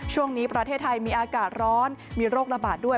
ช่วงนี้ประเทศไทยมีอากาศร้อนมีโรคระบาดด้วย